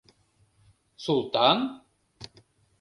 «Султан?!